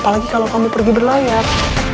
apalagi kalau kamu pergi berlayar